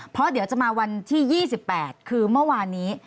เพราะเดี๋ยวจะมาวันที่๒๘คือเมื่อวานนี้